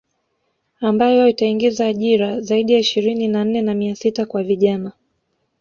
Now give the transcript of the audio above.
Ambayo itaingiza ajira zaidi ya ishirini na nne na mia sita kwa vijana